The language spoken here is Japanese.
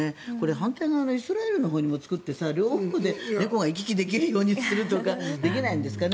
反対側のイスラエルのほうにも作って両方で猫が行き来できるようにしないんですかね。